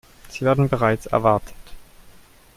Sie werden bereits erwartet.